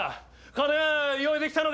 金は用意できたのか？